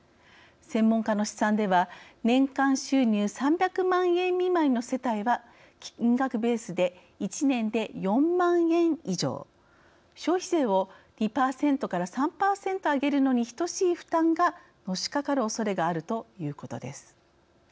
専門家の試算では年間収入３００万円未満の世帯は金額ベースで、１年で４万円以上消費税を２％から３％上げるのに等しい負担がのしかかるおそれがあるということです。